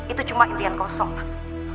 itu cuma indian kosong mas